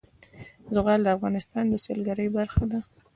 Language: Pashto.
زغال د افغانستان د سیلګرۍ برخه ده.